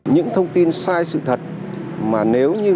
những thông tin sai sự thật mà nếu như các nhà đầu tư